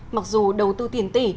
mặc dù đầu tư tiền tỷ